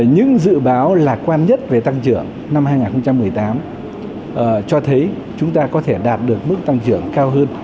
những dự báo lạc quan nhất về tăng trưởng năm hai nghìn một mươi tám cho thấy chúng ta có thể đạt được mức tăng trưởng cao hơn